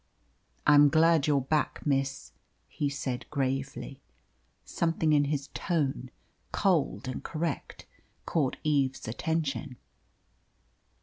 "I'm glad you're back, miss," he said gravely. Something in his tone cold and correct caught Eve's attention.